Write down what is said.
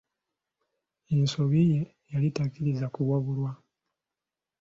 Ensobi ye yali takkiriza kuwabulwa.